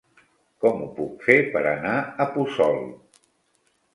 Com ho puc fer per anar a Puçol?